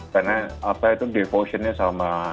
karena apa itu devotion nya sama